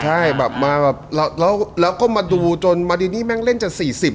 ใช่แล้วก็มาดูจนมารินี่แม่งเล่นจน๔๐อะ